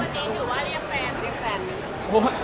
แล้ววันนี้ถือว่าเรียกแฟนหรือแฟน